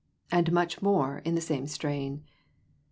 And much more, in the same strain.